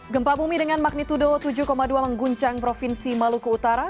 gempa bumi dengan magnitudo tujuh dua mengguncang provinsi maluku utara